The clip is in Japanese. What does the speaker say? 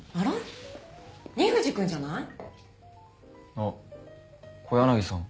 あっ小柳さん。